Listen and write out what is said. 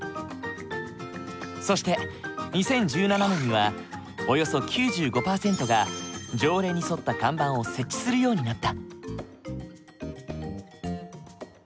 そして２０１７年にはおよそ９５％が条例に沿った看板を設置するようになった。